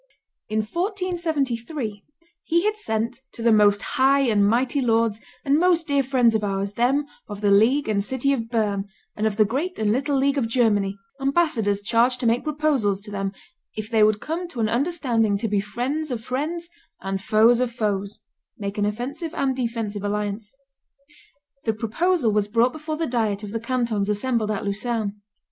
In 1473 he had sent "to the most high and mighty lords and most dear friends of ours, them of the league and city of Berne and of the great and little league of Germany, ambassadors charged to make proposals to them, if they would come to an understanding to be friends of friends and foes of foes" (make an offensive and defensive alliance). The proposal was brought before the diet of the cantons assembled at Lucerne.